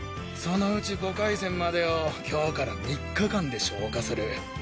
そのうち５回戦までを今日から３日間で消化する。